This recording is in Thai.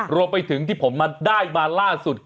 รวมไปถึงที่ผมมาได้มาล่าสุด